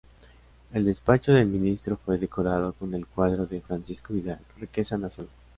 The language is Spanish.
El despacho del Ministro fue decorado con el cuadro de Francisco Vidal "Riqueza Nacional".